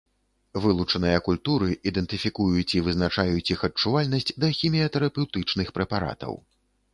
Вылучаныя культуры ідэнтыфікуюць і вызначаюць іх адчувальнасць да хіміятэрапеўтычных прэпаратаў.